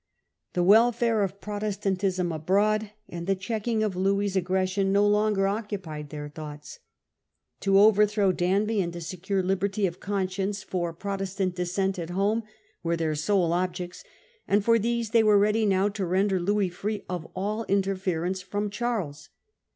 The welfare of Protes tantism abroad and the checking Louis's aggression no Selfisi longer occupied their thoughts. To overthrow policy of the Danby and to secure liberty of conscience for Opposition. p ro testant Dissent at home were their sole objects, and for these they were ready now to render Louis free of all interference from Charles.